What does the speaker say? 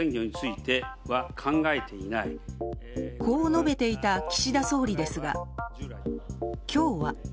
こう述べていた岸田総理ですが今日は。